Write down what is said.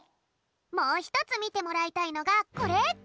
もうひとつみてもらいたいのがこれ！